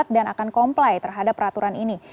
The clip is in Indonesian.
dan akan comply terhadap peraturan ini